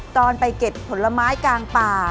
ตอนไปเก็บผลไม้กลางป่า